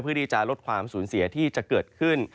เพื่อที่จะลดความสูญเสียที่จะเกิดขึ้น